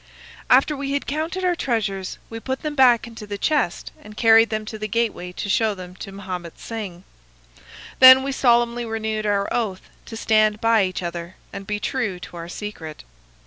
"After we had counted our treasures we put them back into the chest and carried them to the gateway to show them to Mahomet Singh. Then we solemnly renewed our oath to stand by each other and be true to our secret.